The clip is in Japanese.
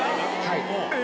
はい。